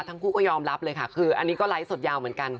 ทั้งคู่ก็ยอมรับเลยค่ะคืออันนี้ก็ไลฟ์สดยาวเหมือนกัน